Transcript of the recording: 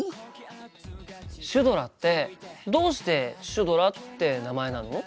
シュドラってどうしてシュドラって名前なの？